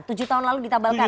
tujuh tahun lalu ditabalkan